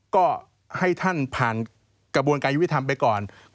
ก็ให้ท่านผ่านกระบวนการยุติธรรมไปก่อน